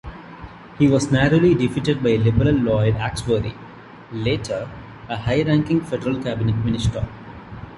He was narrowly defeated by Liberal Lloyd Axworthy, later a high-ranking federal cabinet minister.